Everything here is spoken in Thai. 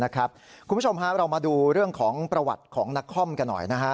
คุณผู้ชมเรามาดูเรื่องของประวัติของนักคอมกันหน่อยนะฮะ